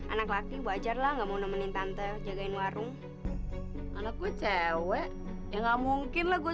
anak laki wajarlah nggak mau nemenin tante jagain warung anak gue cewek ya nggak mungkin lagu